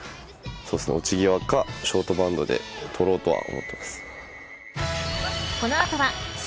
落ち際かショートバウンドで捕ろうとは思ってます。